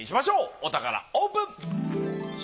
お宝オープン！